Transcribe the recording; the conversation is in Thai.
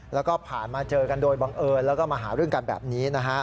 แล้วก็ผ่านมาเจอกันโดยบังเอิญแล้วก็มาหาเรื่องกันแบบนี้นะฮะ